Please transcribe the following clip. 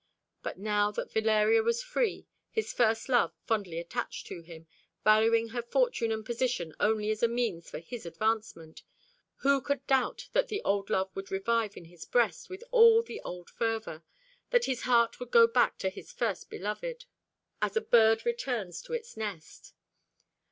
But now that Valeria was free, his first love, fondly attached to him, valuing her fortune and position only as a means for his advancement, who could doubt that the old love would revive in his breast with all the old fervour; that his heart would go back to his first beloved, as a bird returns to its nest?